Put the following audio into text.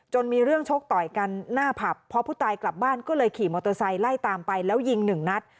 มีเรื่องชกต่อยกันหน้าผับพอผู้ตายกลับบ้านก็เลยขี่มอเตอร์ไซค์ไล่ตามไปแล้วยิงหนึ่งนัด